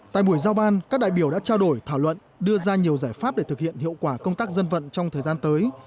tại buổi giao ban các đại biểu đã trao đổi thảo luận đưa ra nhiều giải pháp để thực hiện hiệu quả công tác dân vận trong thời gian tới